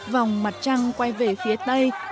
vòng mặt trăng quay về phía tây